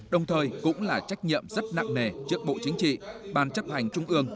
đồng thời cũng là trách nhiệm rất nặng nề trước bộ chính trị ban chấp hành trung ương